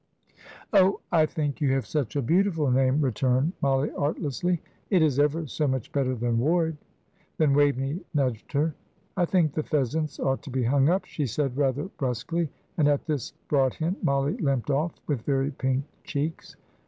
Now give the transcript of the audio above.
"Oh, I think you have such a beautiful name!" returned Mollie, artlessly. "It is ever so much better than Ward." Then Waveney nudged her. "I think the pheasants ought to be hung up," she said, rather brusquely; and at this broad hint Mollie limped off, with very pink cheeks.